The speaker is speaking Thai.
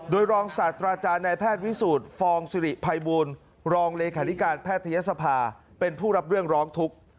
โดยรองศาสตราจารย์นายแพทย์วิสูจน์ฟองสิริภัยบูลรองเลขาธิการแพทยศภาเป็นผู้รับเรื่องร้องทุกข์